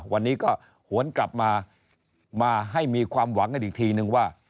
วันนี้ก็หวนกลับมามาให้มีความหวังกันอีกทีนึงว่า